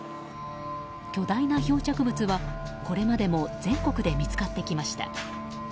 巨大な漂着物は、これまでも全国で見つかってきました。